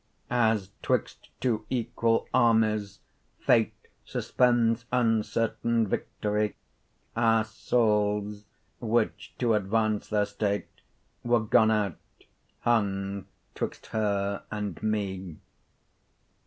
As 'twixt two equall Armies, Fate Suspends uncertaine victorie, Our soules, (which to advance their state, 15 Were gone out,) hung 'twixt her, and mee.